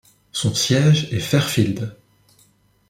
Son siège est Fairfield.